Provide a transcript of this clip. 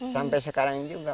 sampai sekarang juga